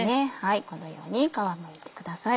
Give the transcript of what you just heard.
このように皮むいてください。